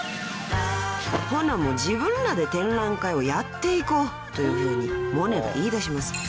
［ほなもう自分らで展覧会をやっていこうというふうにモネが言いだします］